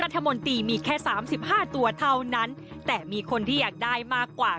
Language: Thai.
เช่นนี้ครับ